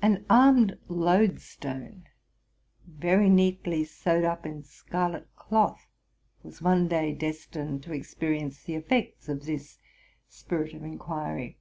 An armed loadstone, very neatly sewed up in scarlet cloth. was one day destined to experience the effects of this spirit of inquiry.